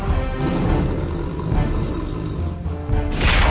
kita saat ini pakai update of tahun